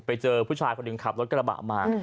ไปเจอผู้ชายคนหนึ่งขับรถกระบะมา